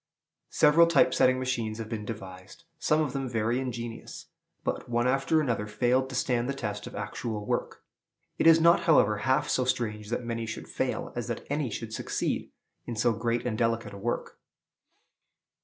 Several type setting machines have been devised, some of them very ingenious; but one after another failed to stand the test of actual work. It is not, however, half so strange that many should fail as that any should succeed in so great and delicate a work.